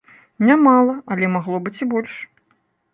Нямала, але магло быць і больш.